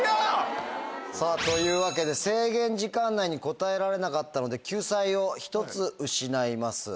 さぁというわけで制限時間内に答えられなかったので救済を１つ失います。